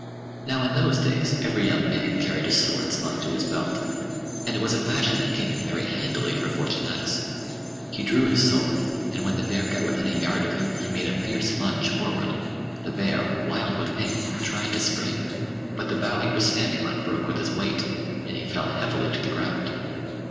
Now in those days every young man carried a sword slung to his belt, and it was a fashion that came in very handily for Fortunatus. He drew his sword, and when the bear got within a yard of him he made a fierce lunge forward. The bear, wild with pain, tried to spring, but the bough he was standing on broke with his weight, and he fell heavily to the ground.